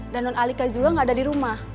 dan non alika juga nggak ada di rumah